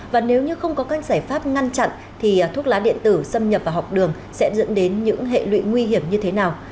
và nếu như không có các giải pháp ngăn chặn thì thuốc lá điện tử xâm nhập vào học đường sẽ dẫn đến những hệ lụy nguy hiểm như thế nào